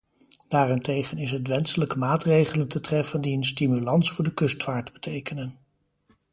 Daarentegen is het wenselijk maatregelen te treffen die een stimulans voor de kustvaart betekenen.